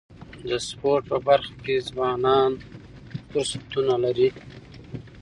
د سپورټ په برخه کي ځوانان فرصتونه لري.